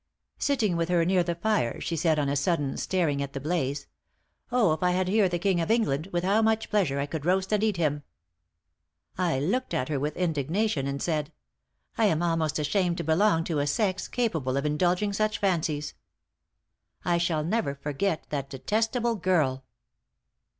"Sitting with her near the fire, she said on a sudden, staring at the blaze, 'Oh! if I had here the king of England, with how much pleasure I could roast and eat him!' I looked at her with indignation, and said, 'I am almost ashamed to belong to a sex capable of indulging such fancies! I shall never forget that detestable girl.'"